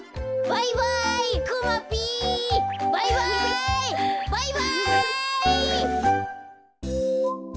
バイバイ！